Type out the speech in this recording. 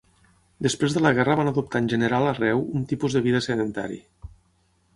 Després de la guerra van adoptar en general arreu un tipus de vida sedentari.